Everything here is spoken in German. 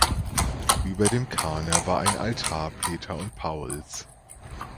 Über dem Karner war ein Altar Peter und Pauls.